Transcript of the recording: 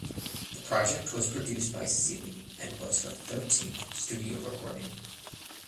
The project was produced by Seely and was her thirteenth studio recording.